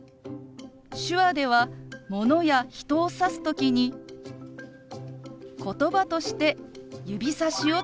手話ではものや人を指す時にことばとして指さしを使います。